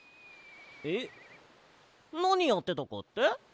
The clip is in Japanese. えっなにやってたかって？